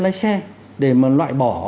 lái xe để mà loại bỏ